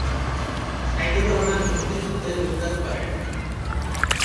সাইদুর রহমান মুক্তিযুদ্ধে যোগদান করেন।